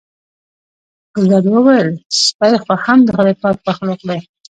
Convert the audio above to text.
ګلداد وویل سپی خو هم د خدای پاک مخلوق دی.